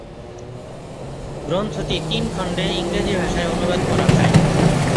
গ্রন্থটি তিন খন্ডে ইংরেজি ভাষায় অনুবাদ করা হয়।